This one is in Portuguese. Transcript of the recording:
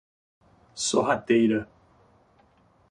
Sorrateira